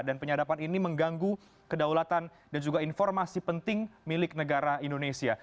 dan penyadaban ini mengganggu kedaulatan dan juga informasi penting milik negara indonesia